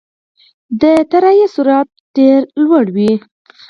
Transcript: د طیارې سرعت ډېر لوړ وي.